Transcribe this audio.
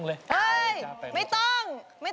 พร้อมกันแล้วนะคะ